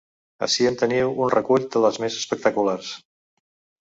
Ací en teniu un recull de les més espectaculars.